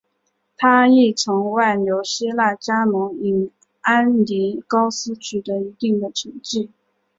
他亦曾外流希腊加盟伊安尼高斯取得一定的成绩。